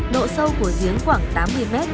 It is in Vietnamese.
độ sâu của giếng khoảng tám mươi m